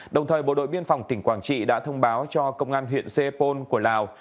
đồng thời bộ đội biên phòng tỉnh quảng trị đã thông báo cho công an huyện xe pôn của lào